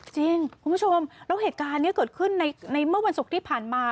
จริงคุณผู้ชมแล้วเหตุการณ์นี้เกิดขึ้นในเมื่อวันศุกร์ที่ผ่านมา